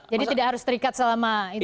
jadi tidak harus terikat selama itu